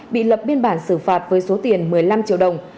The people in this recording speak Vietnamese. bị lập biên bản xử phạt với số tiền một mươi năm triệu đồng